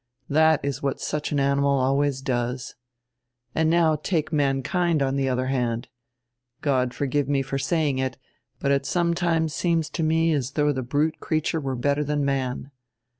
That is what such an animal always does. And now take mankind on die otiier hand. God forgive me for saying it, but it sometimes seems to me as though die brute creature were better dian man."